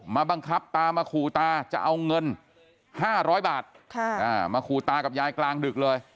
มาบังคับตามาขู่ตาจะเอาเงิน๕๐๐บาทมาขู่ตากับยายกลางดึกเลย